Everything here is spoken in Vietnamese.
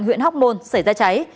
huyện hóc môn xảy ra cháy